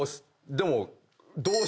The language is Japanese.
でも。